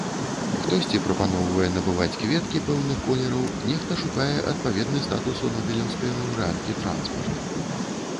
Хтосьці прапаноўвае набываць кветкі пэўных колераў, нехта шукае адпаведны статусу нобелеўскай лаўрэаткі транспарт.